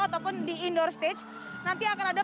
ataupun di indoor stage nanti akan ada